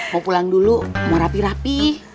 mau pulang dulu mau rapi rapih